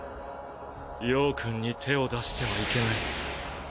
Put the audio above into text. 葉くんに手を出してはいけない。